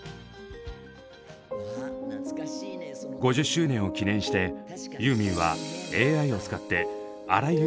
５０周年を記念してユーミンはＡＩを使って荒井由実の声を再現。